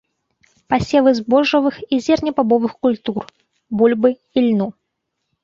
Пасевы збожжавых і зернебабовых культур, бульбы, ільну.